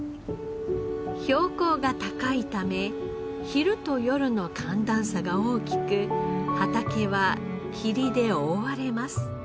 標高が高いため昼と夜の寒暖差が大きく畑は霧で覆われます。